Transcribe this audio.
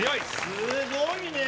すごいね。